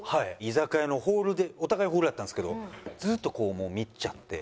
居酒屋のホールでお互いホールだったんですけどずーっとこう見ちゃって。